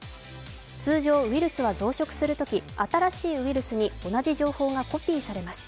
通常、ウイルスは増殖するとき新しいウイルスに同じ情報がコピーされます。